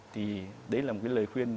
thì đấy là một cái lời khuyên